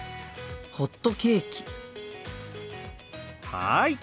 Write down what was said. はい！